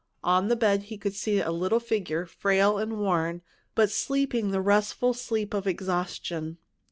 On the bed he could see a little figure, frail and worn, but sleeping the restful sleep of exhaustion.